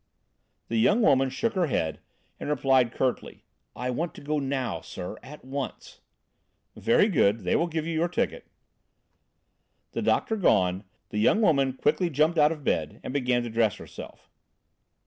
The young woman shook her head and replied curtly: "I want to go now, sir, at once." "Very good. They will give you your ticket." The doctor gone, the young woman quickly jumped out of bed and began to dress herself.